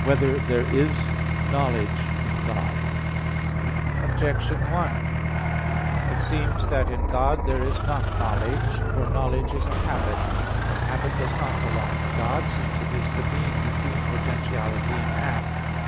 1] Whether There Is Knowledge [*Scientia] in God? Objection 1: It seems that in God there is not knowledge. For knowledge is a habit; and habit does not belong to God, since it is the mean between potentiality and act.